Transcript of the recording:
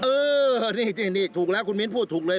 เออนี่ถูกแล้วคุณมิ้นพูดถูกเลย